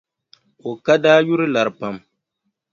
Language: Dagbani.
O ka daa yuri lari pam.